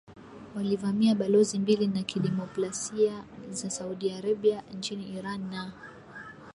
walivamia balozi mbili za kidiplomasia za Saudi Arabia nchini Iran na